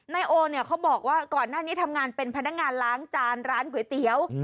นายโอเนี่ยเขาบอกว่าก่อนหน้านี้ทำงานเป็นพนักงานล้างจานร้านก๋วยเตี๋ยว